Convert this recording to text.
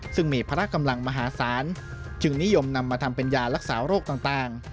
ซึ่งมีพละกำลังมหาศาลจึงนิยมนำมาทำเป็นยารักษาโรคต่าง